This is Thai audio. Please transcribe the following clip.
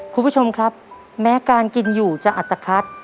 คุณผู้ชมครับแม้การกินอยู่จะอัตภัท